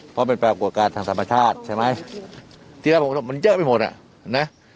เพราะเป็นแปลกวัดการทางธรรมชาติใช่ไหมทีละผมมันเยอะไปหมดอ่ะนะ